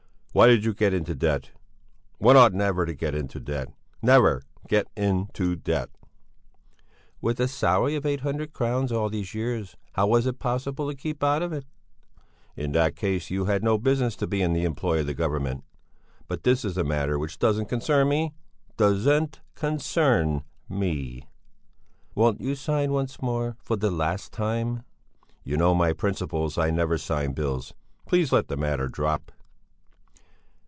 "Why did you get into debt? One ought never to get into debt. Never get into debt." "With a salary of eight hundred crowns all these years! How was it possible to keep out of it?" "In that case you had no business to be in the employ of the Government. But this is a matter which doesn't concern me; doesn't concern me." "Won't you sign once more? For the last time?" "You know my principles; I never sign bills. Please let the matter drop."